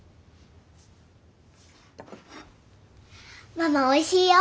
ママおいしいよ。